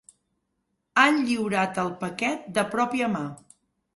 Han lliurat el paquet de pròpia mà.